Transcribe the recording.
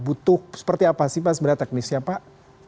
butuh seperti apa sih pak sebenarnya teknisnya pak